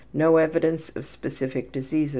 No evidence of specific disease.